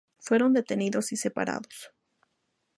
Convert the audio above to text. Fueron detenidos y separados.